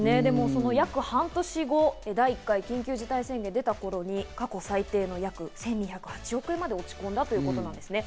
そのおよそ半年後、第１回の緊急事態宣言が出たことで約１２０８億円まで落ち込んだということですね。